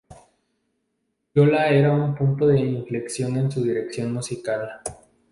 Yola era un punto de inflexión en su dirección musical.